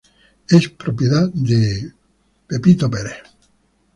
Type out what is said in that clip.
Es propiedad de Adobe.